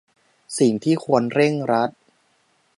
สิ่งที่ควรเร่งรัด